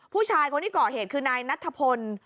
ผู้ชายคนที่ก่อเหตุคือนายนัทพล